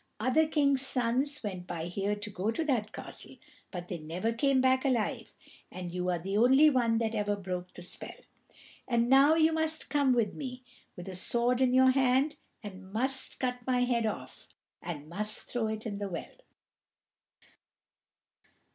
Other kings' sons went by here to go to that castle, but they never came back alive, and you are the only one that ever broke the spell. And now you must come with me, with a sword in your hand, and must cut my head off, and must throw it in that well."